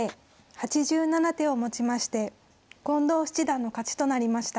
８７手をもちまして近藤七段の勝ちとなりました。